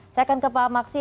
saya akan ke pak maksi